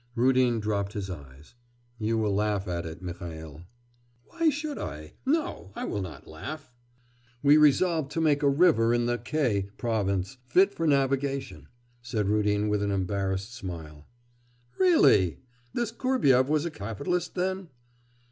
Rudin dropped his eyes. 'You will laugh at it, Mihail.' 'Why should I? No, I will not laugh.' 'We resolved to make a river in the K province fit for navigation,' said Rudin with an embarrassed smile. 'Really! This Kurbyev was a capitalist, then?